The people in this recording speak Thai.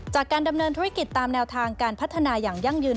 จากการดำเนินธุรกิจตามแนวทางการพัฒนาอย่างยั่งยืน